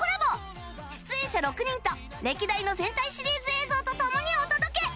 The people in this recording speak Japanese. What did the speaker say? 出演者６人と歴代の戦隊シリーズ映像とともにお届け！